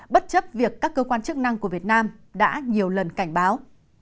bất chấp việc các cơ quan chức năng của việt nam đã nhiều lần cảnh báo